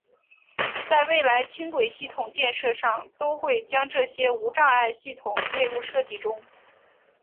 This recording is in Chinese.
在未来轻轨系统建设上都会将这些无障碍系统列入设计中。